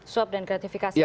swap dan gratifikasi